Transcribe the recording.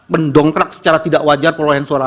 mendongkrak secara tidak wajar perolehan suara